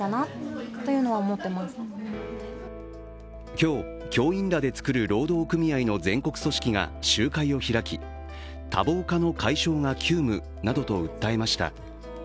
今日、教員らで作る労働組合の全国組織が集会を開き、多忙化の解消が急務などと訴えました。